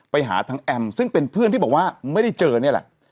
ไปหาทางแอมซึ่งเป็นเพื่อนที่บอกว่าไม่ได้เจอนี่แหละ